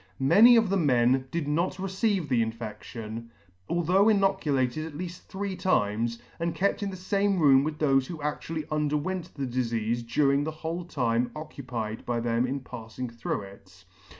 Many of the men did not receive the infedtion, although inoculated at leaf! three times, and kept in the fame room with thofe who actually underwent the difeafe during the whole time occupied by them in pafling through it.